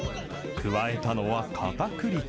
加えたのは、かたくり粉。